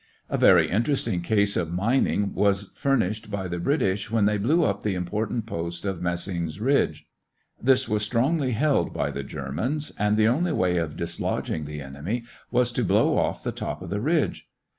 A very interesting case of mining was furnished by the British when they blew up the important post of Messines Ridge. This was strongly held by the Germans and the only way of dislodging the enemy was to blow off the top of the ridge.